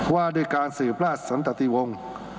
ว่าโดยการสื่อพระสันตะทีวง